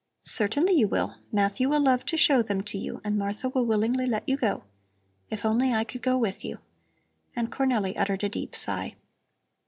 "Certainly you will; Matthew will love to show them to you, and Martha will willingly let you go. If I only could go with you!" And Cornelli uttered a deep sigh.